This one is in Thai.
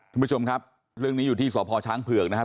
คุณผู้ชมครับเรื่องนี้อยู่ที่สพช้างเผือกนะครับ